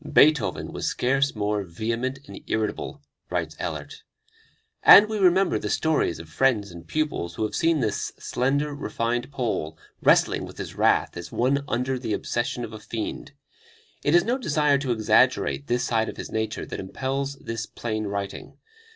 "Beethoven was scarce more vehement and irritable," writes Ehlert. And we remember the stories of friends and pupils who have seen this slender, refined Pole wrestling with his wrath as one under the obsession of a fiend. It is no desire to exaggerate this side of his nature that impels this plain writing.